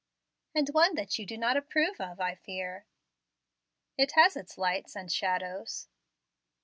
"And one that you do not approve of, I fear." "It has its lights and shadows."